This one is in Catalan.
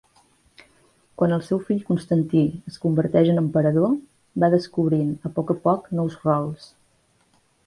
Quan el seu fill Constantí es converteix en emperador, va descobrint a poc a poc nous rols.